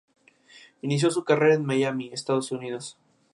Era hijo de inmigrantes católicos irlandeses.